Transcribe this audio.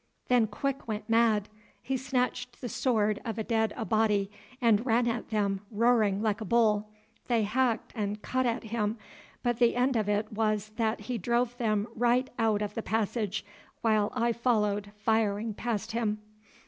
"Then Quick went mad. He snatched the sword of a dead Abati and ran at them roaring like a bull. They hacked and cut at him, but the end of it was that he drove them right out of the passage, while I followed, firing past him.